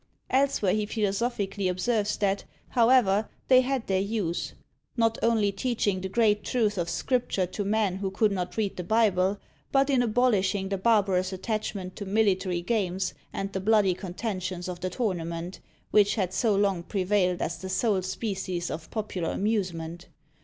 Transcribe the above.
Elsewhere he philosophically observes that, however, they had their use, "not only teaching the great truths of scripture to men who could not read the Bible, but in abolishing the barbarous attachment to military games and the bloody contentions of the tournament, which had so long prevailed as the sole species of popular amusement.